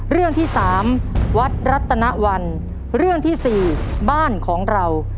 เรื่องที่สามวัดรัตนวันเรื่องที่สี่บ้านของเรา